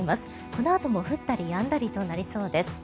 このあとも降ったりやんだりとなりそうです。